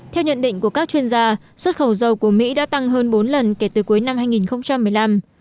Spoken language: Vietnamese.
theo nhận định của các chuyên gia xuất khẩu dầu của mỹ đã tăng hơn bốn lần kể từ cuối năm hai nghìn một mươi năm